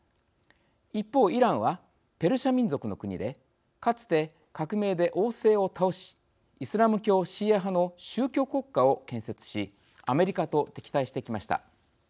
一方、イランはペルシャ民族の国でかつて革命で王制を倒しイスラム教シーア派の宗教国家を建設しアメリカと敵対してきました。